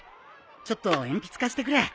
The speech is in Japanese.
ちょっと鉛筆貸してくれ。